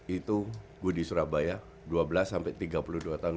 itu gue di surabaya dua belas sampai tiga puluh dua tahun